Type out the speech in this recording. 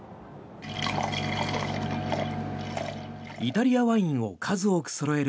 イタリアワインを数多くそろえる